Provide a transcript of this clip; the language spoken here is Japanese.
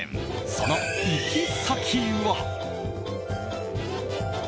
その行き先は。